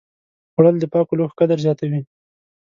خوړل د پاکو لوښو قدر زیاتوي